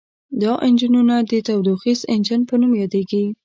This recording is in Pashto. دا انجنونه د تودوخیز انجن په نوم یادیږي.